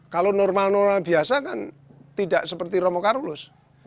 kalau normal normal biasa kan tidak seperti romo karulus